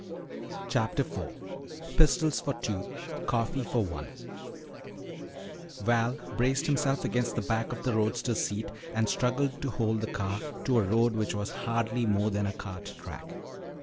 CHAPTER IV PISTOLS FOR TWO COFFEE FOR ONE Val braced himself against the back of the roadster's seat and struggled to hold the car to a road which was hardly more than a cart track.